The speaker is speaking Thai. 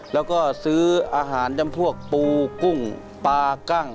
แล้วก็ซื้ออาหารจำพวกปูกุ้งปลากั้ง